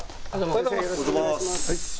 おはようございます。